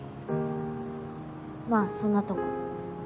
まぁそんなとこ。